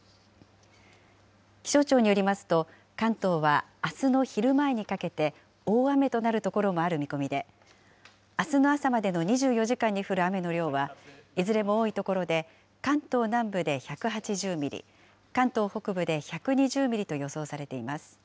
気象庁によりますと、関東はあすの昼前にかけて、大雨となる所もある見込みで、あすの朝までの２４時間に降る雨の量はいずれも多い所で、関東南部で１８０ミリ、関東北部で１２０ミリと予想されています。